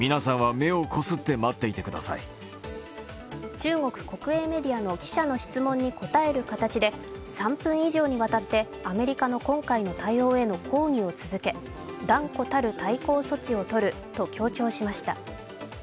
中国国営メディアの記者の質問に答える形で３分以上にわたってアメリカの今回の対応への抗議を続け、断固たる対抗措置をとると強調しました。